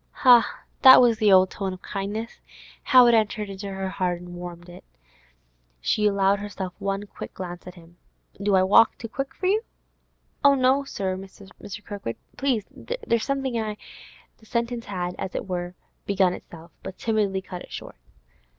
Ha! that was the old tone of kindness! How it entered into her blood and warmed it! She allowed herself one quick glance at him. 'Do I walk too quick for you?' 'Oh no, sir. Mr. Kirkwood, please, there's something I—' The sentence had, as it were, begun itself, but timidity cut it short.